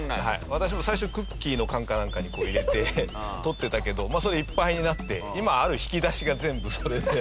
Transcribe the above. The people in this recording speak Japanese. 私も最初クッキーの缶かなんかにこう入れてとってたけどそれいっぱいになって今ある引き出しが全部それで。